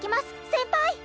先輩！